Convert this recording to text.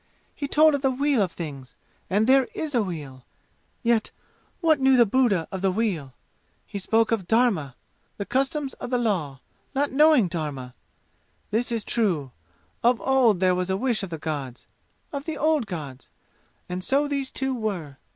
He told of the wheel of things, and there is a wheel! Yet, what knew the Buddha of the wheel? He who spoke of Dharma (the customs of the law) not knowing Dharma! This is true Of old there was a wish of the gods of the old gods. And so these two were.